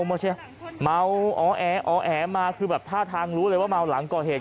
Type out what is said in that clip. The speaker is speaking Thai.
ไม่ใช่เมาอ๋อแออ๋อแอมาคือแบบท่าทางรู้เลยว่าเมาหลังก่อเหตุ